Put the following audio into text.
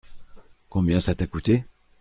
Combien ça t’a coûté ?